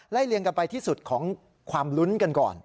เลียงกันไปที่สุดของความลุ้นกันก่อน